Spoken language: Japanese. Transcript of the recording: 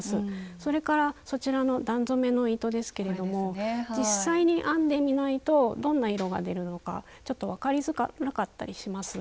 それからそちらの段染めの糸ですけれども実際に編んでみないとどんな色が出るのかちょっと分かりづらかったりします。